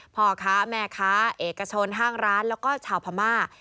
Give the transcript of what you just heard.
พ่อค้าแม่ค้าเอกชนห้างร้านแล้วก็ชาวพม่า